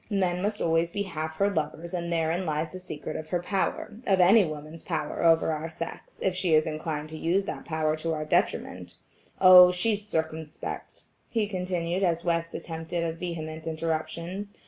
Men must always be half her lovers and therein lies the secret of her power–of any woman's power over our sex, if she is inclined to use that power to our detriment. Oh! she's circumspect," he continued as West attempted a vehement interruption.